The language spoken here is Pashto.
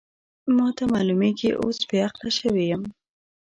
ما ته معلومېږي اوس بې عقله شوې یم.